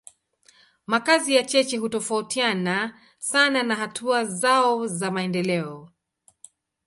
Makazi ya cheche hutofautiana sana na hatua zao za maendeleo.